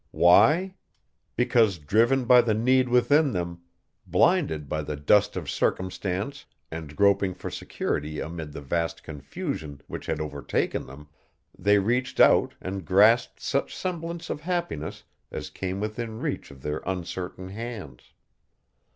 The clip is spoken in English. Why? Because driven by the need within them, blinded by the dust of circumstance and groping for security amid the vast confusion which had overtaken them, they reached out and grasped such semblence of happiness as came within reach of their uncertain hands.